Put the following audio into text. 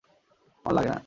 আমার লাগে না।